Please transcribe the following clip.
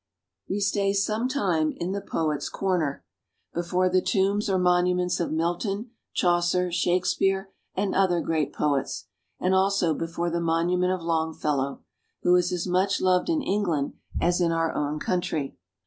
We stay some time in the " Poets' 82 ENGLAND. Corner," before the tombs or monuments of Milton, Chaucer, Shakespeare, and other great poets, and also before the monument of Longfellow, who is as much loved in Eng land as in our own country.